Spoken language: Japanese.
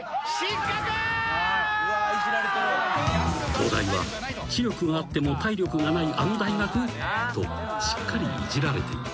［東大は「知力があっても体力がないあの大学？」としっかりイジられていた］